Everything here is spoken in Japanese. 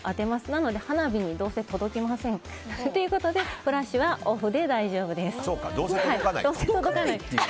なので花火にどうせ届きませんからフラッシュはオフで大丈夫です。